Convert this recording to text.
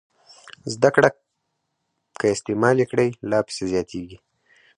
زده کړه که استعمال یې کړئ لا پسې زیاتېږي.